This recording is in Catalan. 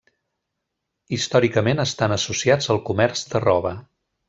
Històricament estan associats al comerç de roba.